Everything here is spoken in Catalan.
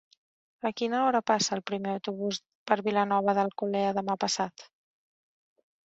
A quina hora passa el primer autobús per Vilanova d'Alcolea demà passat?